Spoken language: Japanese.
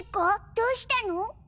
どうしたの？